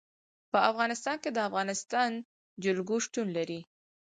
په افغانستان کې د افغانستان جلکو شتون لري.